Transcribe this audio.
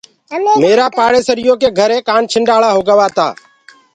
ميرآ پاڙيسريو ڪي گھري ڪآنڇنڊݪآ هوگوآ تآ۔